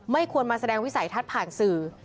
ไม่ควรมาแสดงวิสัยทัศน์ผ่านสื่อ